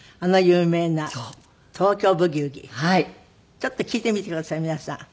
ちょっと聴いてみてください皆さん。